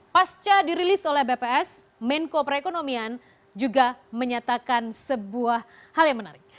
pasca dirilis oleh bps menko perekonomian juga menyatakan sebuah hal yang menarik